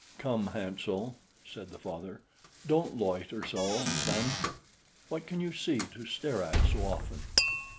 "Come, Hansel," said the father, "don't loiter so, sonny. What can you see to stare at so often?"